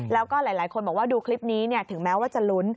แล้วก็หลายคนบอกว่าดูคลิปนี้ถึงแม้ว่าจะลุ้น